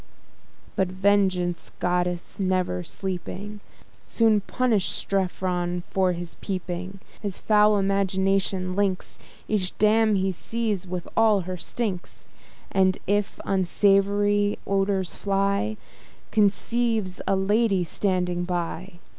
But Vengeance, goddess never sleeping, Soon punish'd Strephon for his peeping: His foul imagination links Each dame he sees with all her stinks; And, if unsavoury odours fly, Conceives a lady standing by.